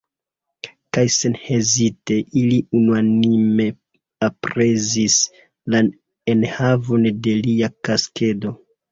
Kaj senhezite, ili unuanime aprezis la enhavon de lia kaskedo.